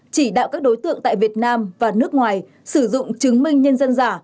chỉ đạo các đối tượng tại việt nam và nước ngoài sử dụng chứng minh nhân dân giả